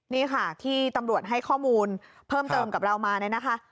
นี่ค่ะที่ตำรวจให้ข้อมูลเพิ่มเติมกับเรามาเนี่ยนะคะ